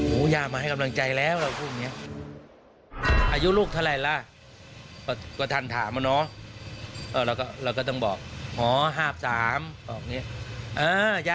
หู้ย่ามาให้กำลังใจแล้วอะไรพูดอย่างเนี่ย